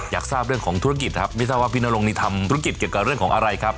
อยากทราบเรื่องของธุรกิจครับไม่ทราบว่าพี่นรงนี่ทำธุรกิจเกี่ยวกับเรื่องของอะไรครับ